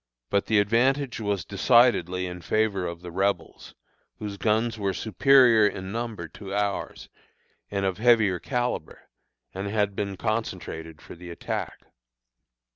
But the advantage was decidedly in favor of the Rebels, whose guns were superior in number to ours, and of heavier calibre, and had been concentrated for the attack.